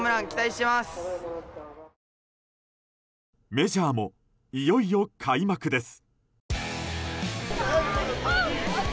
メジャーもいよいよ開幕です。